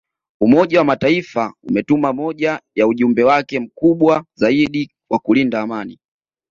Umoja wa Mataifa umetuma moja ya ujumbe wake mkubwa zaidi wa kulinda amani